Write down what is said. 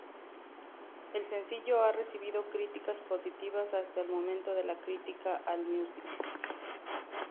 El sencillo ha recibido críticas positivas hasta el momento de la crítica Allmusic.